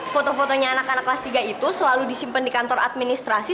foto fotonya anak anak kelas tiga itu selalu disimpan di kantor administrasi